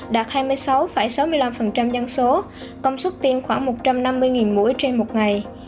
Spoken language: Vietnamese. đạt hai mươi sáu sáu mươi năm dân số công suất tiên khoảng một trăm năm mươi mũi trên một ngày